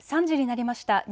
３時になりました。